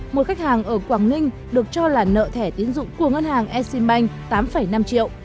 một khách hàng ở quảng ninh được cho là nợ thẻ tiến dụng của ngân hàng exim bank tám năm triệu